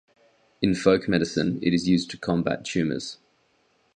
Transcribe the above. In folk medicine, it is used to combat tumors.